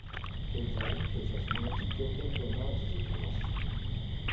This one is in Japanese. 現在、警察の実況見分が続いています。